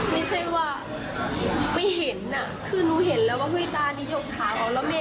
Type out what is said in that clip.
ไม่ใช่ว่าหนูไม่เห็นน่ะคือหนูเห็นแล้วว่าเฮ้ยต้านี้หยกขาของละเมษ